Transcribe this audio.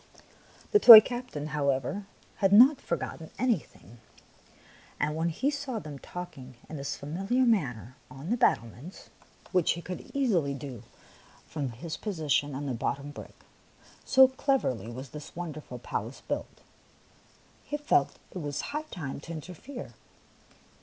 The toy captain, however, had not forgot ten anything ; and when he saw them talking in this familiar manner on the battlements — THE PALACE ON THE FLOOR 143 which he could easily do from his position on the bottom brick, so cleverly was this wonder ful palace built — he felt it was high time to interfere.